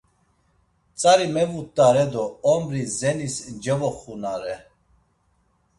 Tzari mevut̆are do Ombri zenis cevoxunare.